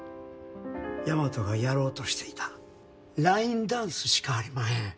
大和がやろうとしていたラインダンスしかありまへん。